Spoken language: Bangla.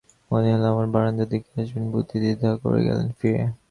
মনে হল আমার বারান্দার দিকে আসবেন বুঝি, দ্বিধা করে গেলেন ফিরে।